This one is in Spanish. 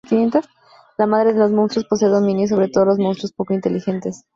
La madre de los monstruos posee dominio sobre todos los monstruos poco inteligentes.